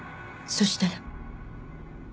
そしたら？